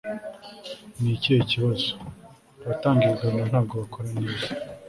ni ikihe kibazo? abatanga ibiganiro ntabwo bakora neza